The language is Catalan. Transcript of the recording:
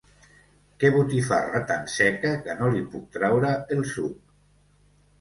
Que botifarra tan seca que no li puc traure el suc!